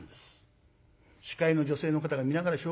司会の女性の方が見ながら紹介いたしました。